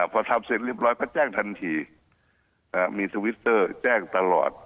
พอทำเสร็จเรียบร้อยก็แจ้งทันทีมีทวิตเตอร์แจ้งตลอด